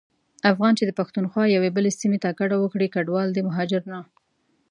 افغان چي د پښتونخوا یوې بلي سيمي ته کډه وکړي کډوال دی مهاجر نه.